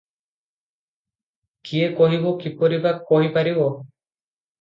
କିଏ କହିବ; କିପରି ବା କହିପାରିବ?